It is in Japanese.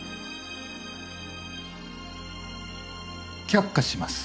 却下します。